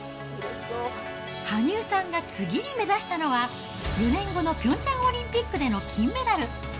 羽生さんが次に目指したのは、４年後のピョンチャンオリンピックでの金メダル。